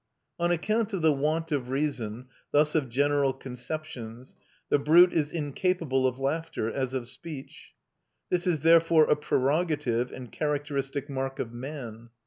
On account of the want of reason, thus of general conceptions, the brute is incapable of laughter, as of speech. This is therefore a prerogative and characteristic mark of man.